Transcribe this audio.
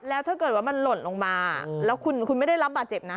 แล้วถ้าเกิดว่ามันหล่นลงมาแล้วคุณไม่ได้รับบาดเจ็บนะ